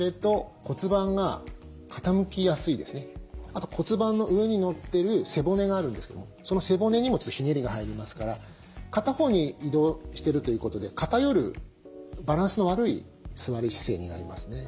あと骨盤の上にのってる背骨があるんですけどもその背骨にもちょっとひねりが入りますから片方に移動してるということで偏るバランスの悪い座り姿勢になりますね。